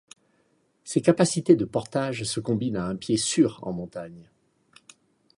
Ses capacités de portage se combinent à un pied sûr en montagne.